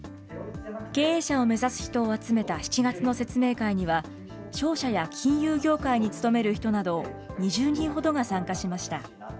経営者を目指す人を集めた７月の説明会には、商社や金融業界に勤める人など２０人ほどが参加しました。